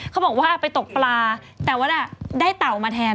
เขาบอกว่าไปตกปลาแต่ว่าได้เต่ามาแทน